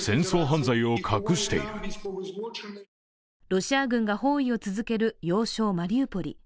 ロシア軍が包囲を続ける要衝マリウポリ。